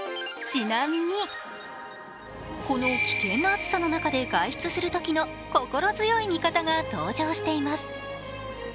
この危険な暑さの中で外出するときの心強い味方が登場しています。